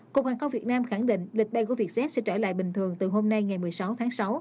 cục hàng không việt nam khẳng định lịch bay của vietjet sẽ trở lại bình thường từ hôm nay ngày một mươi sáu tháng sáu